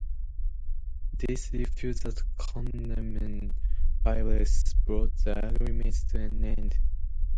This refusal to condemn violence brought the agreements to an end.